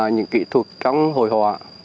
những kỹ thuật trong hồi hộp